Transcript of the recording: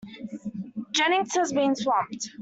Jennings had been swamped.